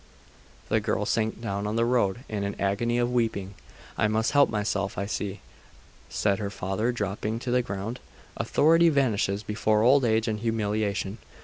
The girl sank down on the road in an agony of weeping. 'I must help myself, I see,' said her father, dropping to the ground. 'Authority vanishes before old age and humiliation.